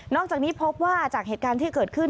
จากนี้พบว่าจากเหตุการณ์ที่เกิดขึ้น